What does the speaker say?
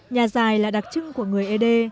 nhà dài là đặc trưng của người ấy đê